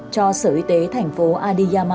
cho sở y tế thành phố adiyaman